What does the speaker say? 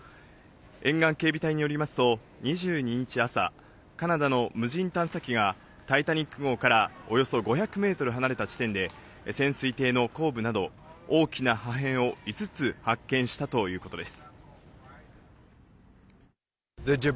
沿岸警備隊によりますと、２２日朝、カナダの無人探査機がタイタニック号からおよそ５００メートル離れた地点で、潜水艇の後部など大きな破片を５つ発見したということです。